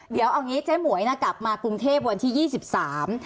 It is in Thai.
เดี๋ยวเอางี้เจ๊หมวยน่ะกลับมากรุงเทพวันที่ยี่สิบสาม